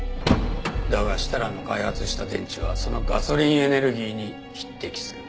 だが設楽の開発した電池はそのガソリンエネルギーに匹敵する。